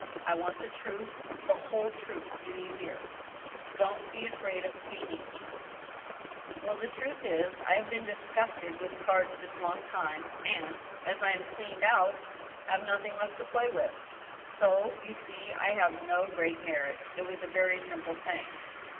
I want the truth, the whole truth, do you hear ? Don't be afraid of paining me —"" Well, the truth is, I have been disgusted with cards this long time, and, as I am cleaned out, I have nothing left to play Avith. So, you see, I have no great merit. It was a very simple thing."